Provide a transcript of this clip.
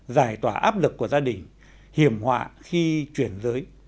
giải tỏa áp lực của gia đình hiểm họa khi chuyển giới